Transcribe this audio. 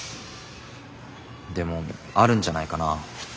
でもあるんじゃないかな。